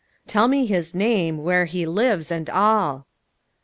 "Tell me his name, where he lives, and all."